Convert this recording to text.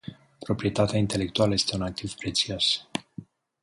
Proprietatea intelectuală este un activ prețios.